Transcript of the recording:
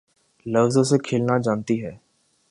لفظوں سے کھیلنا جانتی ہے